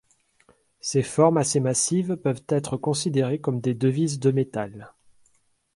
Ces formes assez massives peuvent être considérées comme des devises de métal.